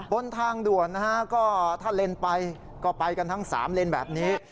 บนทางด่วนนะฮะก็ถ้าเลนไปก็ไปกันทั้ง๓เลนแบบนี้